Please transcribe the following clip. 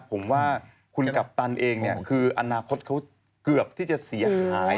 ผมว่าคุณกัปตันเองเนี่ยคืออนาคตเขาเกือบที่จะเสียหาย